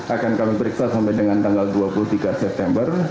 akan kami periksa sampai dengan tanggal dua puluh tiga september